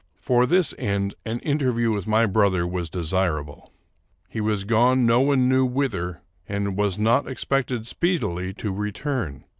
For this end an interview with my brother was desirable. He was gone no one knew whither, and was not expected speedily to return.